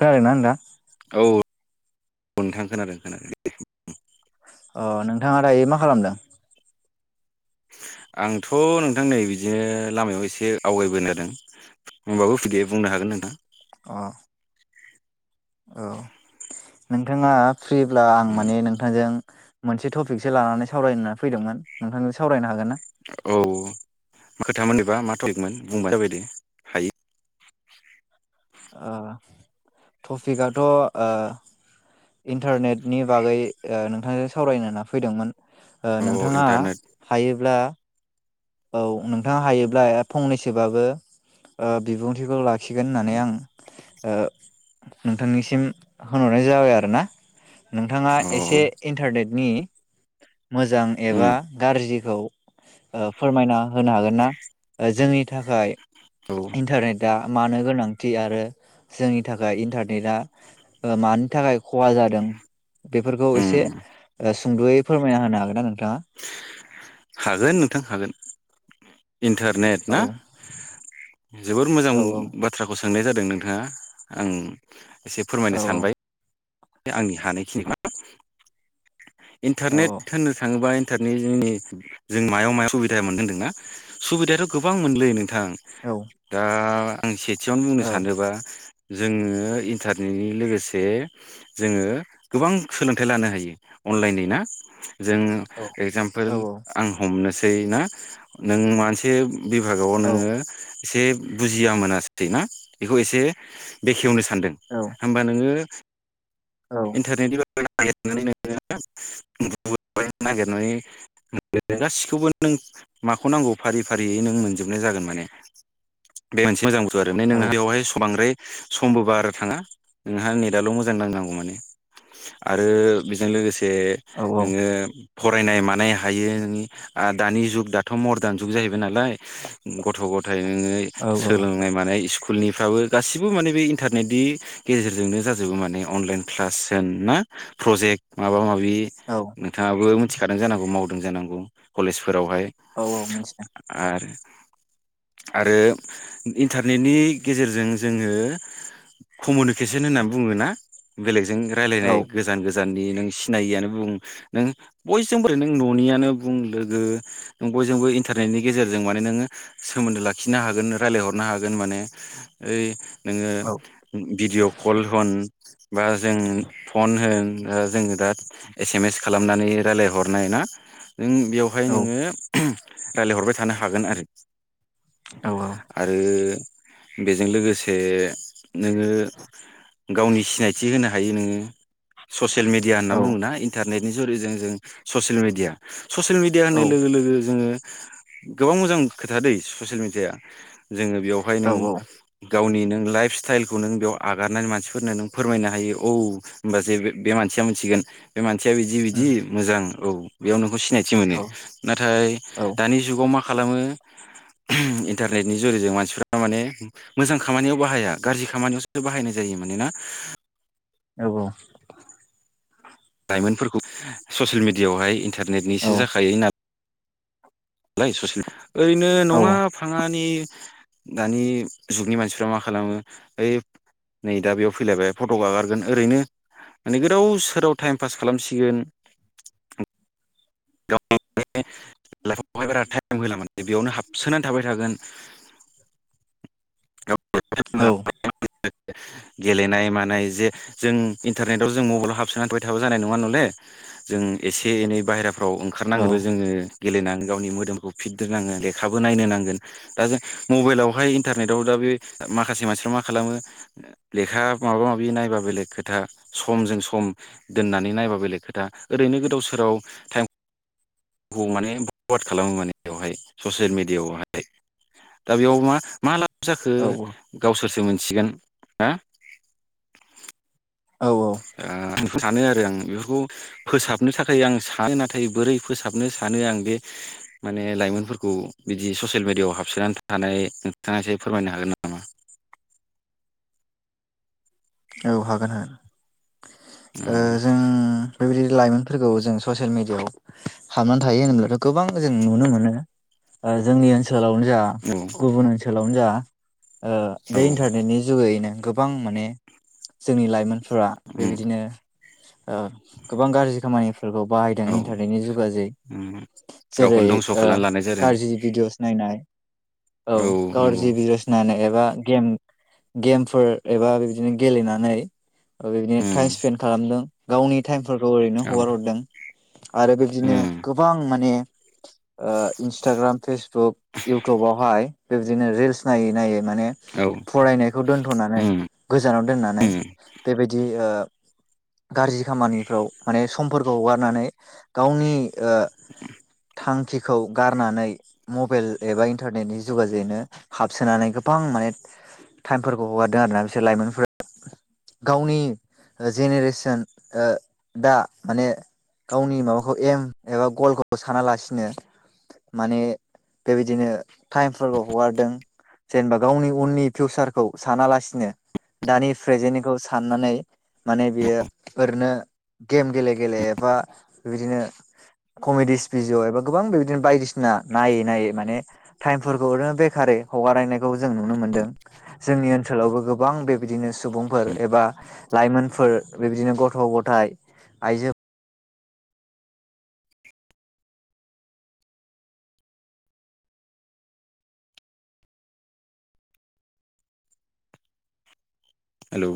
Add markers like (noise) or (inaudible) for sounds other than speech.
खोनान्दों ना नोंथां? औ नोंथां खोनादों खोनादों ओम। अ नोंथाङा दायो मा खालामदों? आंथ' नोंथां नै बिदिनो लामायाव एसे आवगायबोनोदों होमबाबो फैद बुंनो हागोन नोंथां। अ औ नोंथाङा फ्रिब्ला आं माने नोंथांजों मोनसे टपिकसो लानानै सावरायनो होनानै फैदोंमोन नोंथांजों सावरायनो हागोन ना? औ मा खोथामोन बिबा मा टपिकमोन बुंबानो जाबाय दे हायो। ओ टफिकआथ' ओ इन्टारनेटनि बागै ओ नोंथांजों सावरायनो होन्ना फैदोंमोन। ओ अ नोंथाङा इन्टारनेट हायोब्ला। औ नोंथाङा हायोब्ला फंनैसोबाबो ओ बिबुंथिखौ लाख खिगोन होननानै आं ओ नोंथांनिसिम होनहरनाय जाबाय आरोना। नोंथाङा अ एसे इन्टारनेटनि मोजां उम एबा गाज्रि औ ओ फोरमायना होनो हागोन ना? ओ जोंनि थाखाय औ इन्टारनेटआ मानो गोनांथि आरो जोंनि थाखाय इन्टारनेटआ ओ मानि थाखाय खहा जादों। बेफोरखौ उम एसे ओ सु सुंद'यै फोरमायना होनो हागोन ना नोंथाङा? हागोन नोंथां हागोन। इन्टारनेट औ ना जोबोर मोजां औ बाथ्राखौ सों सोंनाय जादों नोंथाङा आं एसे औ फोरमायनो सानबाय। बे आंनि हानायखिनि औ इन्टारनेट होननो थाङोबा नि जोंनि जों मायाव मायाव सुबिदा मोनदों होनदोंना सुबिदायाथ' गोबां मोनलै नों। थां औ दा आं स बिसेबांनो बुंनो औ सानोबा। जोङो इन्टारनेटनि लोगोसे। जोङो गोबां सोलोंथाइ लानो हायो अनलाइनै ना? जोङो एगजामपोल औ आं हमनोसै। सै ना नों मानसे बिभागाव औ मिथिदों औ नोङो एसे बुजिय मोनासै ना बेखौ एसे बेखेवनोसै। सानदों औ होमबा नोङो। इन्टारनेटनि। नानै नोङो। नै नोंङो बेवहाय स बांद्राय। समबो बार थाङा नोंहा नेटआाल' मोजां। मोजां नांनांगौ माने आरो बेजों लोगोसे जे नोङो। फरायनाय मानाय हायो नोंनि दानि जुग दाथ' मदार्न जुग जाहैबाय। नालाय गथ' गथाय नोङो सोलोंनाय मानाय स्कुल स्कुलनिफ्राबो गासिबो माने बे इन्टारनेटनि गेजेरजोंनो जाजोबो माने। अनलाइन। नोंथाङाबो। थिखादों जानौ मावदों जानांगौ, कलेज फोरावहाय आरो आरो इन्टार नेटनि गेजेरजों जोङो कमिउनिकेसन होननानै बुङोना? बेलेग। जों रायलायनाय गोजान गोजान। नों सिनायैयानो बुं नों बयजोंबोै नों न'नियानो बुं लोगो नों बयजोंबो इन्टारनेटनि गेजेरजों माने, नोङो सोमोन्दो लाखिनो हागोन रायज्लायहरनो हागोन माने। ओइ नोङो भिडिय' कल होन बा जों फन होन जोङो दा एस एम एस खालामनानै रायज्लायहरनाय ना? नों बेवहाय नोङो। रायजलायहरबाय थानो हागोन आरो। आरो बेजों लोगोसे नोंङो गावनि सिनायथि होनो हायो नोंङो ससियेल मिडिया होनना बुंङोना इन्टार नेटनि जुरिजों जों ससियेल मिडिया ससियेल मिडिया होननाय लोगो लोगो जोंङो गोबां मोजां खोथा दै ससियेल मिडियाया जोंङो बेवहाय नों गावनि नों लाइफ स्टाइलखौ नों बेयाव आगारनानै मानसि फोरनो नों फोरमायनो हायो औ होनबा जे बे मानसिया मिथिगोन बे मानसि सिया बिदि बिदि मोजां औ बेयाव नोंखौ सिनायथि मोनो नाथाय दानि जुगाव मा खालामो इन्टारनेटनि जुरिजों मानसिफ्रा माने मोजां खामानियाव बाहाया गाज्रि खामानियावसो बाहायनाय जायो मानोना औ औ लाइमोनफोरखौ ससियेल मिडियाआवहाय इन्टारनेटनिसो जाखायो न लाय ससेल ओरैनो नंङा फांङानि दानि जुगनि मानसिफ्रा मा खालामो ओइ नै दा बेयाव फैलायबाय फट आगारगोन ओरैनो माने गोदाव सोराव टाइम पास खालामसिगोन (unintelligible) लाइफआवहाय बारा टाइम होला मने बेयावनो हाबसोनानै थाबाय थागोन गाव औ गेलेनाय मानाय जे जों इन्टारनेटआव जों मबाइलाव हाबसोनानै थाबाय थाबा जानाय नंङा नलै जों एसे एनै बायेरा औ ओंखार औ औ नांगोन जोंङो गेलेनानै गावनि मोदोमखौ फिट दोननांगोन लेखाबो नायनो नांगोन दा जों मबाइलावहाय इन्टा रनेटआव दा बे माखासे मानसिफ्रा मा खालामो लेखा माबा माबि नायबा बेलेग खोथा समजों सम दोननानै नायबा बेलेग खोथा ओरैनो गोदाव सोराव टाइम खौ माने फवार्ड खालामो माने बेवहाय ससियेल मिडियाआवहाय दा बेयाव मा मा जाखो औ गावसोरसो मोनसे सिगोन हो (inaudible) औ (inaudible) सानो आरो आं बेफोरखौ फोसाबनो थाखाय आं सानो नाथाय बोरै फोसाबनो सानो आं बे माने लाइमोनफोरखौ बिदि ससियेल मेडियाआव हाबसोनानै थानाय नोंथाङास फोरमायनो हागोन नामा औ हागोन औ ओ जों बेबायदि लाइमोनफोरखौ जों ससियेल मिडियाआव हाबनानै थायो होनोब्लाथ गोबां जों नुनो मोनो जोंनि ओनोल ओनसोलावनो जा गुबुन ओनसोलाव जा ओ औ बे इन्टारनेटनि जुगैयैनो गोबां माने जोंनि लाइमोन फोरा बेबायदिनो ओ गोबां गाज्रि खामानि फोरखौ बाहायदों औ इन्टारनेटनि जुगाजै जेरै गावखौनो धंस' ओ खालामना लानाय जादों गाज्रि भिडअ'स नायनाय औ गाज्रि भिडअ'स नायनाय एबा गेम गेमफोर एबा बिदि बिदिनो गेलेनानै बिदिनो टाइम उम स्पेन्ड खालामदों। गावनि टाइम फोरखौ ओरैनो औ हगार हरदों आरो बिदिनो उम गोबां माने ओ इन्सटाग्राम फेसबुक इउटुबावहाय बेबदिनो रिल्स नायै नायै माने औ फरायनायखौ दोनथ'नानै उम गोजानाव दोननानै उम बेबायदि ओ गारजि खामानिफ्राव माने समफोरखौ हगारनानै गावनि थांखिखौ गारनानै मबाइल एबा इन्टारनेटनि जुगाजैनो हाबसोनानै गोबां माने टाइमफोरखौ हगारदों आरोना। बिसोर लाइमोनफोरा गावनि जेनेरेसन ओ दा माने गावनि माबाखौ एम एबा गलखौ सानालासिनो माने बेबायदिनो टाइमफोरखौ हगारदों जेनेबा गावनि उननि फिउसारखौ सानालासिनो दानि प्रेजेन्टखौ साननानै माने बेयो ओरैनो गेम गेले गेले एबा बिदिनो कमेडिस भिडियअ एबा गोबां बिदिनो बायदिसिना नायै नायै माने टाइमफोरखौ ओरैनो बेखारै हगारनायखौ जों नुनो मोन्दों जोंनि ओनसोलावबो गोबां गोबां बेबायदिनो सुबुंफोर एबा लाइमोनफोर बेबायदिनो गथ' गथाइ आइजो हेलौ